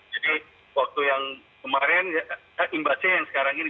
jadi waktu yang kemarin imbasnya yang sekarang ini